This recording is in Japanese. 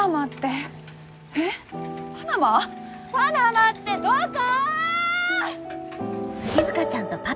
パナマってどこ！？